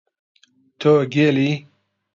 تۆ گێلی!